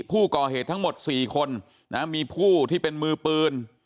ผู้ก่อเหตุทั้งหมด๔คนมีผู้ที่เป็นมือปืน